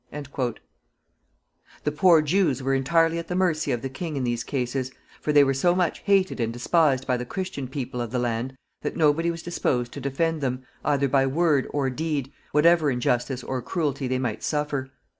= The poor Jews were entirely at the mercy of the king in these cases, for they were so much hated and despised by the Christian people of the land that nobody was disposed to defend them, either by word or deed, whatever injustice or cruelty they might suffer.